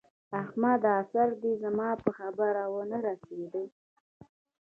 احمده! سر دې زما په خبره و نه رسېدی!